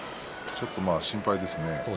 ちょっと心配ですね。